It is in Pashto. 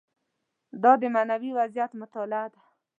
دا د معنوي وضعیت مطالعه ده.